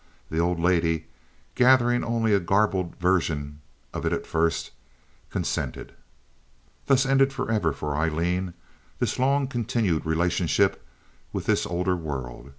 The old lady, gathering only a garbled version of it at first, consented. Thus ended forever for Aileen this long continued relationship with this older world.